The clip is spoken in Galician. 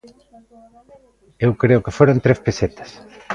Eu creo que foron tres pesetas.